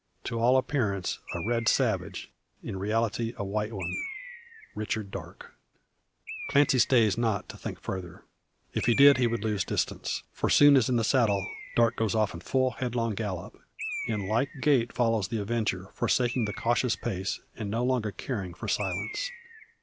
To all appearance a red savage, in reality a white one Richard Darke. Clancy stays not to think further. If he did he would lose distance. For soon as in the saddle, Darke goes off in full headlong gallop. In like gait follows the avenger, forsaking the cautious pace, and no longer caring for silence.